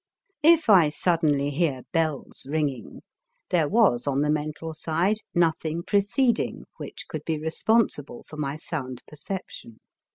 If I suddenly hear bells ringing, there was on the mental side nothing preceding which could be responsible for my sound perception.